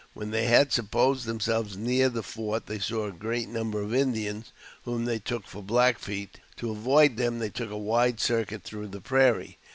Whei they had supposed themselves near the fort, they saw a grea number of Indians, whom they took for Black Feet ; to avoid them, they took a wide circuit through the prairie.